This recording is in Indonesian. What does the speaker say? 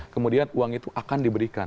kemudian uang itu akan diberikan